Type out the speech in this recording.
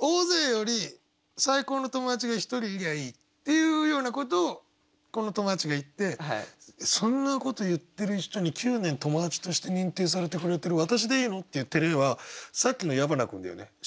大勢より最高の友達が１人いりゃいいっていうようなことをこの友達が言ってそんなこと言ってる人に九年友達として認定されてくれてる「わたしでいいの？」って言ってる絵はさっきの矢花君だよね。